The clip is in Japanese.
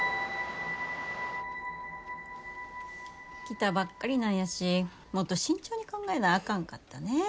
来たばっかりなんやしもっと慎重に考えなあかんかったね。